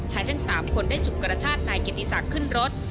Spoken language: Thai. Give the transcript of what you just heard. ชายทั้งสามคนได้จุกรชาตินายเกียรติศักดิ์ขึ้นรถ